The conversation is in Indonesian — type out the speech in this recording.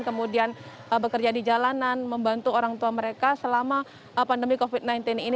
kemudian bekerja di jalanan membantu orang tua mereka selama pandemi covid sembilan belas ini